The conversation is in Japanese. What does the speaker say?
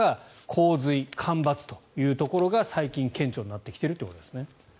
洪水、干ばつというところが最近、顕著になってきているということですね。